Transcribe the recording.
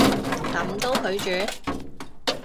噉都拒絕？